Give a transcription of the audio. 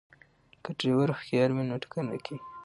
که ډریور هوښیار وي نو ټکر نه کیږي.